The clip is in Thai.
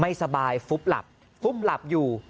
ไม่สบายฟุบหลับฟุ้มหลับอยู่